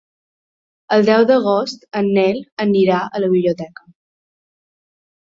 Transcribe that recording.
El deu d'agost en Nel anirà a la biblioteca.